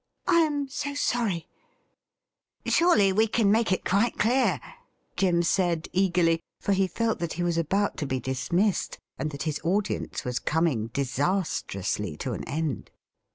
' I am so sorry !'' Surely we can make it quite clear,' Jim said eagerly, for he felt that he was about to be dismissed, and that his audience was coming disastrously to an end.